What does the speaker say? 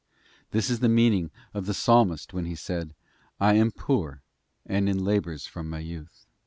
This is the meaning of the Psalmist when he said, cmap, 'I am poor and in labours from my youth.